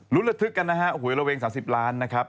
ระทึกกันนะฮะหวยระเวง๓๐ล้านนะครับ